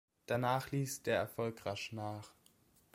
Danach ließ der Erfolg rasch nach.